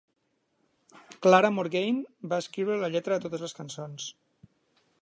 Clara Morgane va escriure la lletra de totes les cançons.